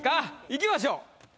いきましょう。